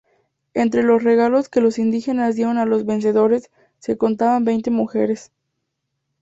Entre los regalos que los indígenas dieron a los vencedores, se contaban veinte mujeres.